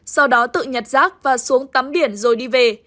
sau đó tự nhặt rác và xuống tắm biển rồi đi về